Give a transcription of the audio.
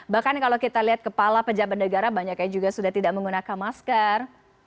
bahkan kalau kita lihat kepala pejabat negara banyak yang juga sudah tidak menggunakan masker